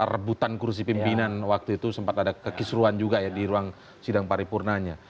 rebutan kursi pimpinan waktu itu sempat ada kekisruan juga ya di ruang sidang paripurnanya